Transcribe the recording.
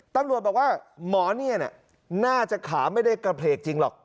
ตำรวจบอกว่าหมอเนี่ยน่าจะขาไม่ได้กระเพลกจริงหรอก